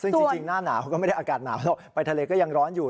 ซึ่งจริงหน้าหนาวก็ไม่ได้อากาศหนาวหรอกไปทะเลก็ยังร้อนอยู่